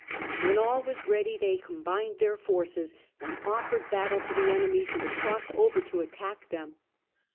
When all was ready they combined their forces and offered battle to the enemies who had crossed over to attack them.